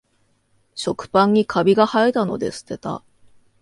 食パンにカビがはえたので捨てた